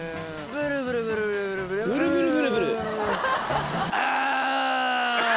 ブルブルブルブル？